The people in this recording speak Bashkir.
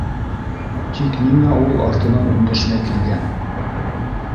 Тик ниңә ул артынан өндәшмәй килгән?